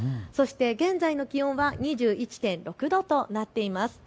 現在の気温は２１．６度となっています。